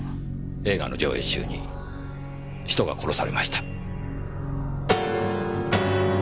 映画の上映中に人が殺されました。